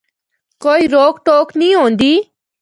کوئی روک ٹوک نیں ہوندی۔